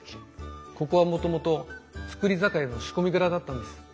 ここはもともと造り酒屋の仕込み蔵だったんです。